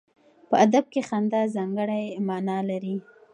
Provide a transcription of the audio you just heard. په ادب کې خندا ځانګړی معنا لري.